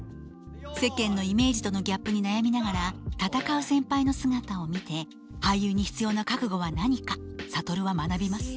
世間のイメージとのギャップに悩みながら闘う先輩の姿を見て俳優に必要な覚悟は何か諭は学びます。